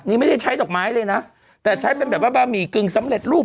นี่ไม่ได้ใช้ดอกไม้เลยนะแต่ใช้เป็นแบบว่าบะหมี่กึ่งสำเร็จรูป